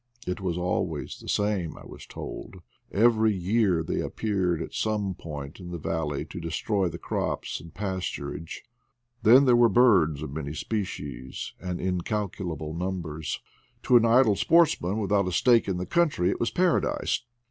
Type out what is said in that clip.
It was always the same, I was told; every year they ap peared at some point in the valley to destroy the crops and pasturage. Then there were birds of many species and in incalculable numbers. To an idle sportsman without a stake in the country it was paradise.